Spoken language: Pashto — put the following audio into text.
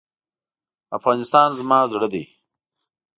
افغانستان زما زړه دی.